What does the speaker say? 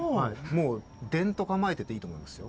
もうでんと構えてていいと思いますよ。